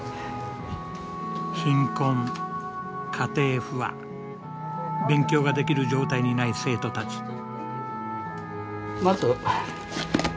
貧困家庭不和勉強ができる状態にない生徒たち。